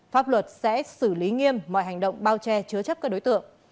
pháp luật sẽ xử lý nghiêm mọi hành động bao che chứa chấp các đối tượng